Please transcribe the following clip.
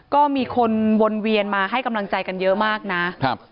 ก็มีคนวนเวียนมาให้กำลังใจกันเยอะมากนะครับ